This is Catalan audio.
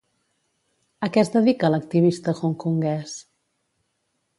A què es dedica l'activista hongkonguès?